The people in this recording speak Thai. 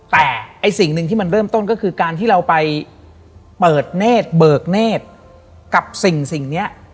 แต่ไอ้สิ่งหนึ่งที่มันเริ่มต้นก็คือการที่เราไปเปิดเนธเบิกเนธกับสิ่งนี้